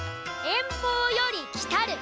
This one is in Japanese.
遠方より来たる。